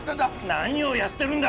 何をやってるんだ！